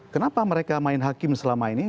kenapa mereka main hakim selama ini